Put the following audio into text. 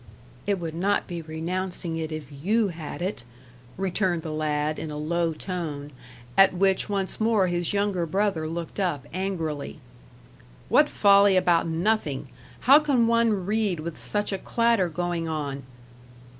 "It would not be renouncing it if YOU had it," returned the lad, in a low tone, at which once more his younger brother looked up, angrily. "What folly about nothing! how can one read with such a clatter going on?"